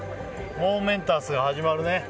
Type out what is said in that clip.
モーメンタスが始まるね。